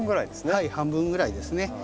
はい半分ぐらいですね。